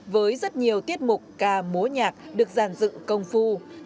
với rất nhiều tiết mục ca múa nhạc được giàn dựng công phu